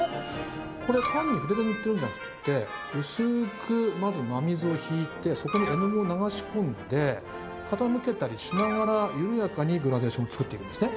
これ単に筆で塗ってるんじゃなくて薄くまず真水を引いてそこに絵の具を流し込んで傾けたりしながら緩やかにグラデーションを作っていくんですね。